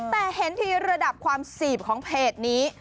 แต่เฮ็นที่ระดับสีบของเพจนี้